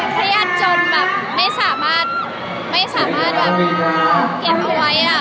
เครียดจนไม่สามารถเปลี่ยนเอาไว้